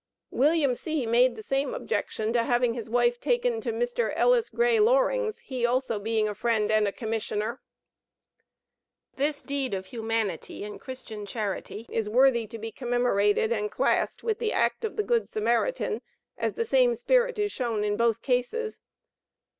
William C. made the same objection to having his wife taken to Mr. Ellis Gray Loring's, he also being a friend and a Commissioner." This deed of humanity and Christian charity is worthy to be commemorated and classed with the act of the good Samaritan, as the same spirit is shown in both cases.